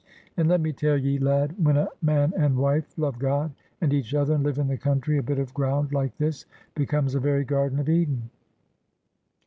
And let me tell ye, lad, when a man and wife love GOD and each other, and live in the country, a bit of ground like this becomes a very garden of Eden."